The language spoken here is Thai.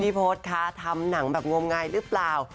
พี่พฒฮาทำหนังแบบงวมไงรึเปล่า